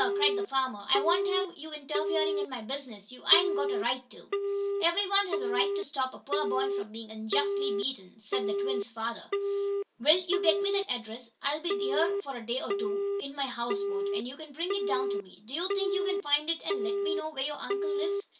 cried the farmer. "I won't have you interferin' in my business! You ain't got a right to!" "Every one has a right to stop a poor boy from being unjustly beaten," said the twins' father. "Will, you get me that address. I'll be here a day or so, in my houseboat, and you can bring it down to me. Do you think you can find it, and let me know where your uncle lives?"